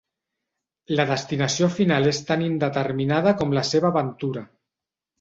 La destinació final és tan indeterminada com la seva aventura.